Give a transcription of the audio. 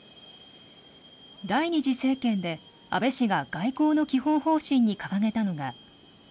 第２次政権で安倍氏が外交の基本方針に掲げたのが。